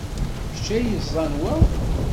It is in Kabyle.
D kečč ay yeẓẓan wa?